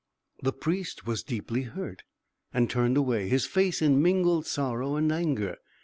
The Priest was deeply hurt, and turned away his face in mingled sorrow and anger.